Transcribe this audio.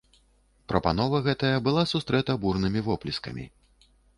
Прапанова гэтая была сустрэта бурнымі воплескамі.